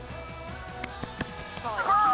すごい！